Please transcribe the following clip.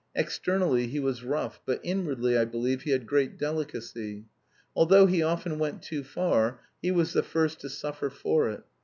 Externally he was rough, but inwardly, I believe, he had great delicacy. Although he often went too far, he was the first to suffer for it.